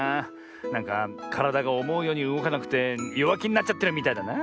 なんかからだがおもうようにうごかなくてよわきになっちゃってるみたいだな。